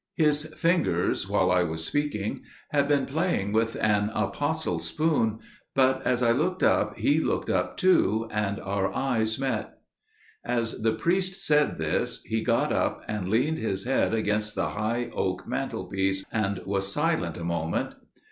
His fingers, while I was speaking, had been playing with an apostle spoon, but as I looked up he looked up too, and our eyes met." As the priest said this, he got up, and leaned his head against the high oak mantelpiece, and was silent a moment.